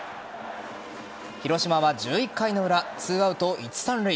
広島は１１回の裏２アウト一・三塁。